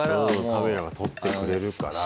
カメラが撮ってくれるから。